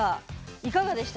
いかがでした？